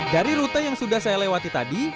dari rute yang sudah saya lewati tadi